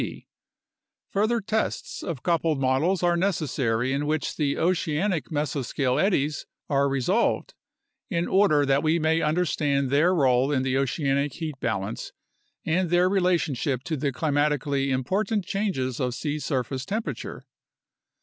Further tests of coupled models are necessary in which the oceanic mesoscale eddies are re solved, in order that we may understand their role in the oceanic heat balance and their relationship to the climatically important changes of sea surface temperature.